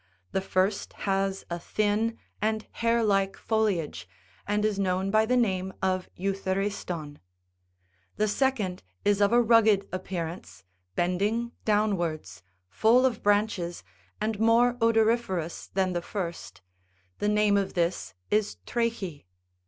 The first has a thin and hair like foliage, and is known by the name of eutheriston.7' The second is of a rugged appearance, bending downwards, full of branches, and more odoriferous than the first; the name of this is trachy.